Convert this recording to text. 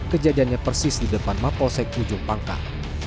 kejadiannya persis di depan mapolsek ujung pangkal